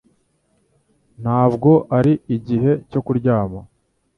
Ntabwo ari igihe cyo kuryama